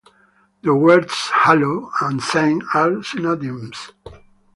The words "hallow" and "saint" are synonyms.